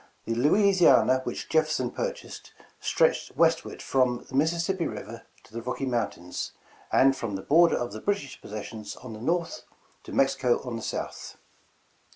The Louisiana which Jefferson purchased, stretched westward "from the Mississippi River to the Rocky Mountains, and from the border of the British posses sions on the North to Mexico on the South."